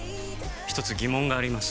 １つ疑問があります。